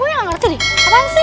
gue ga ngerti nih apaan sih